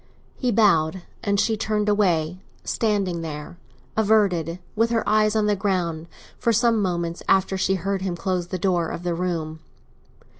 He bowed, and she turned away—standing there, averted, with her eyes on the ground, for some moments after she had heard him close the door of the room.